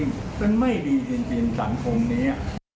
มันไม่ดีจริงสังคมนี้